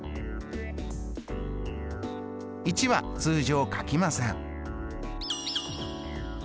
１は通常書きません。